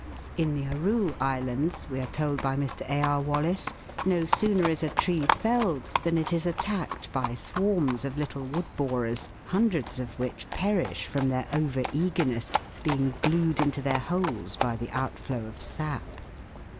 In the Aru Islands, we are told by Mr. A. R. Wallace, no sooner is a tree felled than it is attacked by swarms of little wood borers, hundreds of which perish from their over eagerness, being glued into their holes by the outflow of sap.